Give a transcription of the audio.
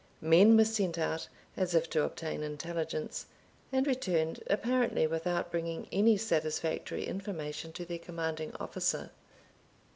Men were sent out, as if to obtain intelligence, and returned apparently without bringing any satisfactory information to their commanding officer.